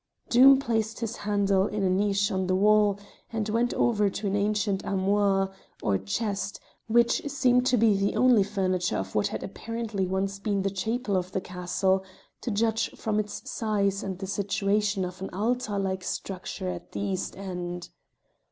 Doom placed his candle in a niche of the wall and went over to an ancient armoire, or chest, which seemed to be the only furniture of what had apparently once been the chapel of the castle, to judge from its size and the situation of an altar like structure at the east end